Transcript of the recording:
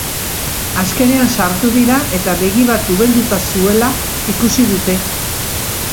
Azkenean sartu dira eta begi bat ubelduta zuela ikusi dute.